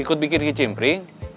ikut bikin ke cimpring